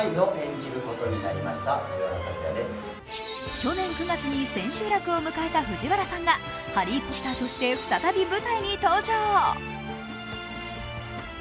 去年９月に千秋楽を迎えた藤原さんが、ハリー・ポッターとして再び舞台に登場。